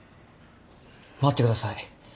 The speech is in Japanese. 待ってください。